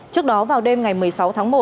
trước đó vào đêm ngày một mươi sáu tháng một